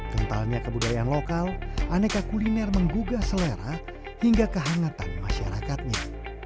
kentalnya kebudayaan lokal aneka kuliner menggugah selera hingga kehangatan masyarakatnya